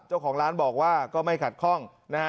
เจ้าของร้านบอกว่าก็ไม่ขัดข้องนะฮะ